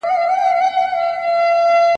زه بايد بازار ته ولاړ سم!!